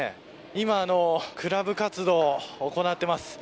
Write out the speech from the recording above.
今、クラブ活動を行っています。